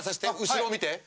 後ろを見て。